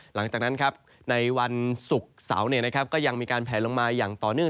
หลังจากนั้นในวันศุกร์เสาร์ก็ยังมีการแผลลงมาอย่างต่อเนื่อง